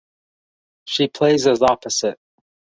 She plays as opposite.